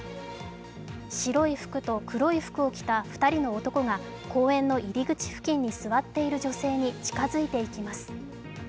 白い服と黒い服を着た２人の男が公園の入り口付近に座っている女性に近づいていきます。